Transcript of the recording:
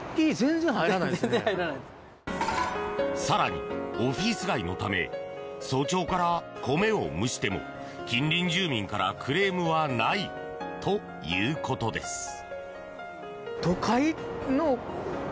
更に、オフィス街のため早朝から米を蒸しても近隣住民からクレームはないということです。